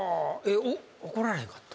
怒られへんかった？